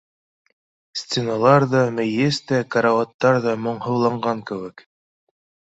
Стеналар ҙа, мейес тә, карауаттар ҙа моңһоуланған кеүек.